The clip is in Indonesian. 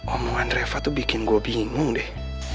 omongan reva tuh bikin gue bingung deh